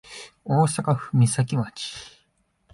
大阪府岬町